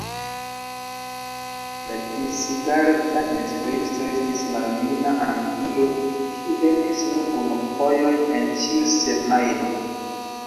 La Disigarta instruisto estis maljuna angilo kiu venis nur unufojon en ĉiu semajno.